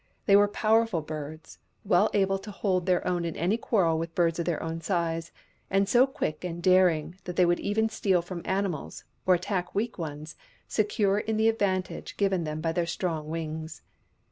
They were powerful birds, well able to hold their own in any quarrel with birds of their own size, and so quick and daring that they would even steal from animals, or attack weak ones, secure in the advan tage given them by their strong wings.